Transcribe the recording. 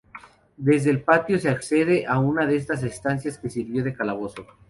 Desde el patio se accede a una de estas estancias, que sirvió de calabozo.